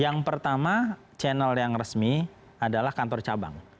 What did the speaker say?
yang pertama channel yang resmi adalah kantor cabang